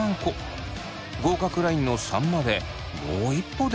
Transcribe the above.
合格ラインの３までもう一歩でした。